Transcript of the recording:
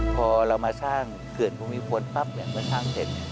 พอเรามาสร้างเขื่อนภูมิพลปั๊บเมื่อสร้างเสร็จ